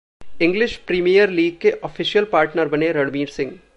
English Premier League के official partner बने रणवीर सिंह